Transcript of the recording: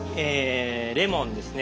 レモンですね。